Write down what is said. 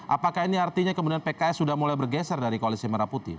apakah ini artinya kemudian pks sudah mulai bergeser dari koalisi merah putih